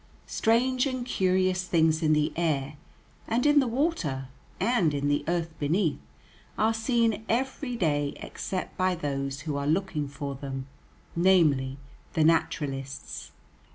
Strange and curious things in the air, and in the water, and in the earth beneath, are seen every day except by those who are looking for them, namely, the naturalists.